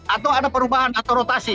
atau ada perubahan atau rotasi